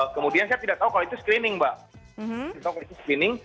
kemudian saya tidak tahu kalau itu screening mbak